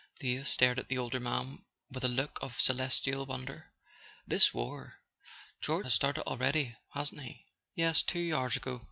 The youth stared at the older man with a look of celestial wonder. "This war.—George has started already, hasn't he?" "Yes. Two hours ago."